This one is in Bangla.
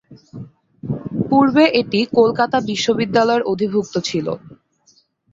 পূর্বে এটি কলকাতা বিশ্ববিদ্যালয়ের অধিভুক্ত ছিল।